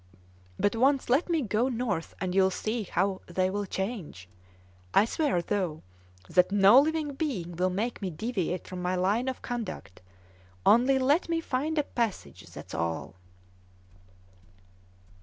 But once let me go north and you'll see how they'll change! I swear, though, that no living being will make me deviate from my line of conduct. Only let me find a passage, that's all!"